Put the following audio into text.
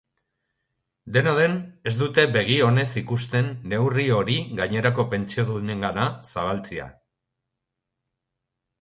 Dena den, ez dute begi onez ikusten neurri hori gainerako pentsiodunengana zabaltzea.